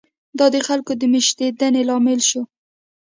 دا د خلکو د مېشتېدنې لامل شو.